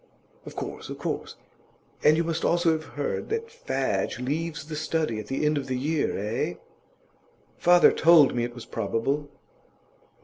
'Of course, of course. And you must also have heard that Fadge leaves The Study at the end of this year, eh?' 'Father told me it was probable.